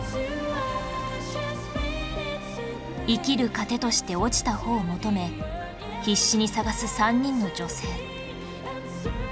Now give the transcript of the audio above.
生きる糧として落ちた穂を求め必死に探す３人の女性